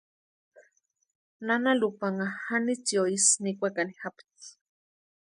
Nana Lupanha Janitziosï nikwekani japti.